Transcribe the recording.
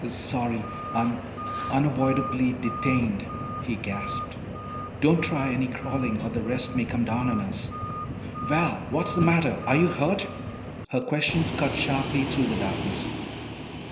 "Sorry. Un unavoidably detained," he gasped. "Don't try any crawling or the rest may come down on us." "Val! What's the matter? Are you hurt?" Her questions cut sharply through the darkness.